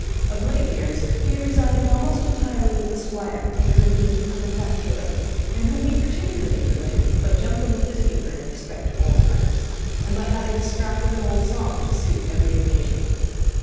Of late years he had resided almost entirely with the Squire, to whom he had become a factotum, and whom he particularly delighted by jumping with his humour in respect to old times, and by having a scrap of an old song to suit every occasion.